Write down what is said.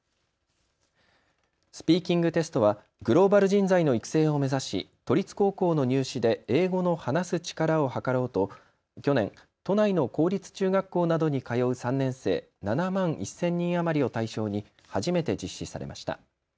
スピーキングテストはグローバル人材の育成を目指し都立高校の入試で英語の話す力をはかろうと去年、都内の公立中学校などに通う３年生、７万１０００人余りを対象に初めて実施されました。